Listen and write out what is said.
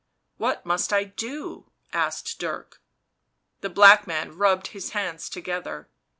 u What must I do?" asked Dirk. The black man rubbed his hands together.